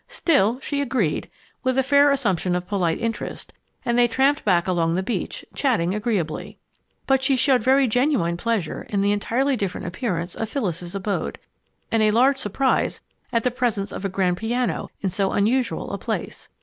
Still, she agreed, with a fair assumption of polite interest, and they tramped back along the beach, chatting agreeably. But she showed very genuine pleasure in the entirely different appearance of Phyllis's abode, and a large surprise at the presence of a grand piano in so unusual a place.